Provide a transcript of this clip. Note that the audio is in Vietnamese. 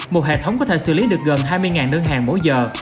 một hệ thống có thể xử lý được gần hai mươi đơn hàng mỗi giờ